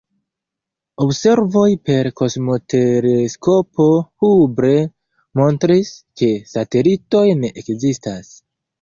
Observoj per kosmoteleskopo Hubble montris, ke satelitoj ne ekzistas.